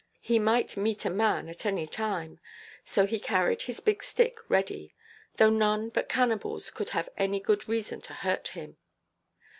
He might meet a man at any time; so he carried his big stick ready, though none but cannibals could have any good reason to hurt him.